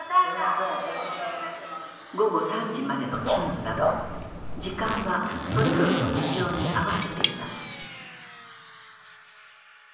午後３時までの勤務など時間はそれぞれの事情に合わせています